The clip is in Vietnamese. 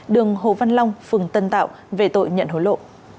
đường hồ văn long phường tân tạo về tội nhận hối lộ